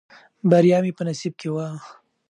بریا مې په نصیب کې وه.